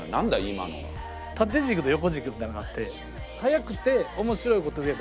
縦軸と横軸みたいなのがあって早くて面白いことを言えば。